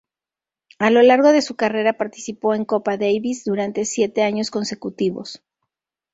A lo largo de su carrera, participó en Copa Davis durante siete años consecutivos.